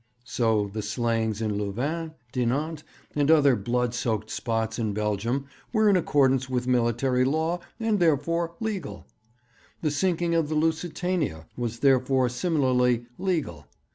So the slayings in Louvain, Dinant, and other blood soaked spots in Belgium were in accordance with military law, and therefore "legal." The sinking of the Lusitania was therefore similarly "legal."